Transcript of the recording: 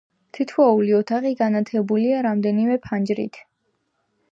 თითოეული ოთახი განათებულია რამდენიმე ფანჯრით.